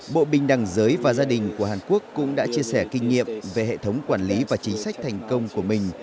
bộ bình đẳng giới và gia đình của hàn quốc cũng đã chia sẻ kinh nghiệm về hệ thống quản lý và chính sách thành công của mình